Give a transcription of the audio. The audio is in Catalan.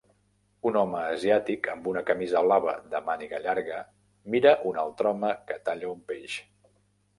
Un home asiàtic amb una camisa blava de màniga llarga mira un altre home que talla un peix.